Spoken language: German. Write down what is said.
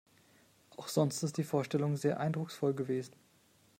Auch sonst ist die Vorstellung sehr eindrucksvoll gewesen.